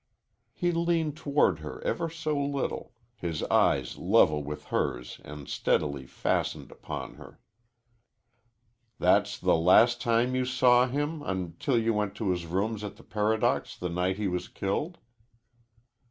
He leaned toward her ever so little, his eyes level with hers and steadily fastened upon her. "That's the last time you saw him until you went to his rooms at the Paradox the night he was killed?"